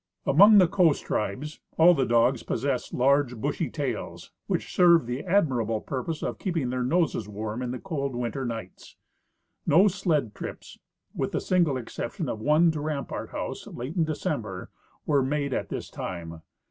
Among the coast tribes all the dogs possess large bushy tails, which serve the admirable purpose of keeping their noses warm in the cold winter nights. No sled trips, with the single excep tion of one to Rampart House late in December, were made at this time.